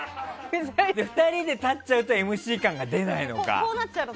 ２人で立っちゃうとＭＣ感が出ないのか。